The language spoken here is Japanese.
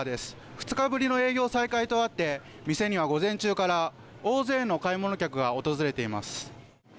２日ぶりの営業再開とあって店には午前中から大勢の買い物客が訪れています。